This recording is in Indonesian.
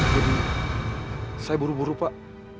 jadi saya buru buru pak